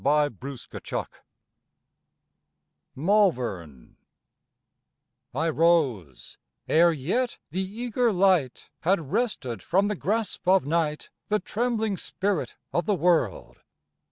BEFORE DAWN Malvern I rose, ere yet the eager light Had wrested from the grasp of night The trembling spirit of the world.